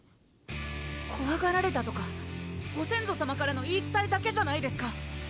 こわがられたとかご先祖さまからの言いつたえだけじゃないですか